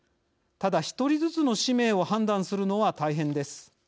ただ、１人ずつの氏名を判断するのは大変です。